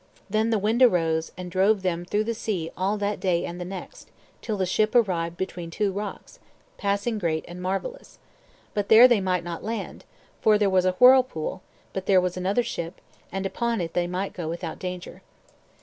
Then the wind arose and drove them through the sea all that day and the next, till the ship arrived between two rocks, passing great and marvellous; but there they might not land, for there was a whirlpool; but there was another ship, and upon it they might go without danger.